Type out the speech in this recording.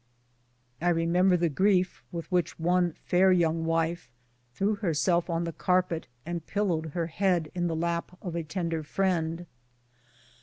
I remember the grief with which one fair young wife threw herself on the carpet and pillowed her head in the lap of a tender friend.